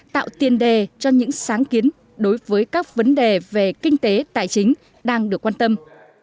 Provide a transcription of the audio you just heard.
tạo tiền đề cho những sáng kiến đối với các vấn đề về kinh tế tài chính đang được quan tâm